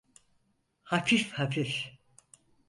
Hafif hafif...